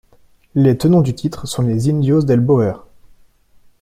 Les tenants du titre sont les Indios del Bóer.